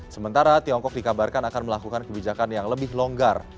sementara tiongkok dikabarkan akan melakukan kebijakan yang lebih longgar